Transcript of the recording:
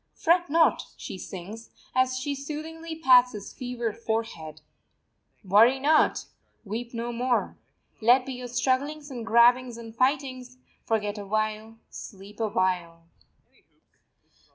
"Fret not," she sings, as she soothingly pats its fevered forehead. "Worry not; weep no more. Let be your strugglings and grabbings and fightings; forget a while, sleep a while."